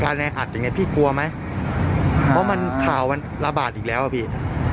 แออัดอย่างเงี้พี่กลัวไหมเพราะมันข่าวมันระบาดอีกแล้วอ่ะพี่